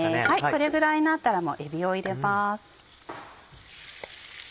これぐらいになったらもうえびを入れます。